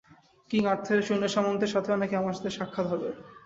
King আর্থারের সৈন্যসামন্তের সাথেও নাকি আমার সাক্ষাৎ হবে।